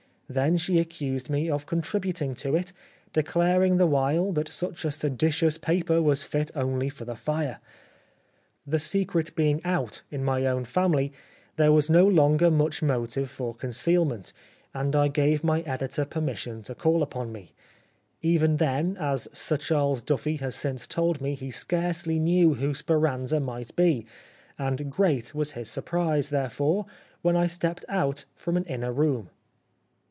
Then she accused me of contributing to it, declaring the while that such a seditious paper was fit only for the fire. The secret being out in my own family there was no longer much motive for concealment, and I u ^^gave my editor permission to call upon me. PVen then, as Sir Charles Duffy has since told me he scarcely knew who ' Speranza ' might be, and great was his surprise, therefore, when I stepped out from an inner room."